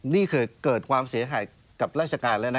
นี่เคยเกิดความเสียหายกับราชการแล้วนะ